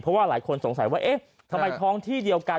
เพราะว่าหลายคนสงสัยว่าเอ๊ะทำไมท้องที่เดียวกัน